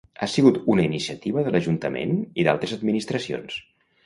Ha sigut una iniciativa de l'Ajuntament i d'altres administracions.